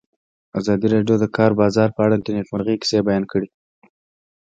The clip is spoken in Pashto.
ازادي راډیو د د کار بازار په اړه د نېکمرغۍ کیسې بیان کړې.